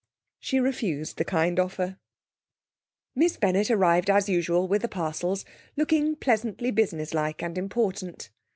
She refused the kind offer. Miss Bennett arrived as usual with the parcels, looking pleasantly business like and important.